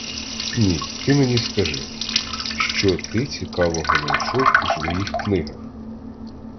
Ні, ти мені скажи: що ти цікавого найшов у своїх книгах?